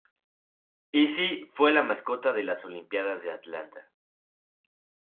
Izzy fue la mascota de las Olimpiadas de Atlanta.